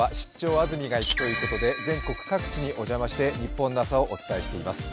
安住がいく」ということで全国各地にお邪魔してニッポンの朝をお伝えしています。